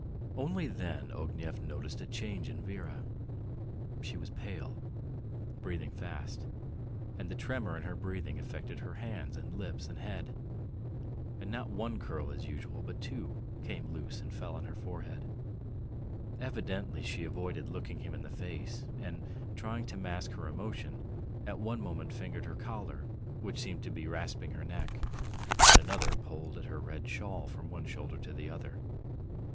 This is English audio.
Only then Ognev noticed a change in Vera. She was pale, breathing fast, and the tremor in her breathing affected her hands and lips and head, and not one curl as usual, but two, came loose and fell on her forehead. ... Evidently she avoided looking him in the face, and, trying to mask her emotion, at one moment fingered her collar, which seemed to be rasping her neck, at another pulled her red shawl from one shoulder to the other.